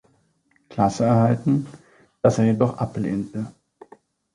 Klasse erhalten, das er jedoch ablehnte.